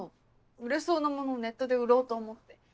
売れそうなものネットで売ろうと思って。